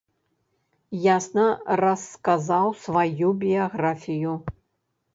Ясна расказаў сваю біяграфію.